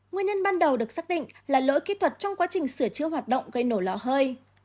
nguyên nhân ban đầu được xác định là lỗi kỹ thuật trong quá trình sửa chữa hoạt động gây nổ lò hơi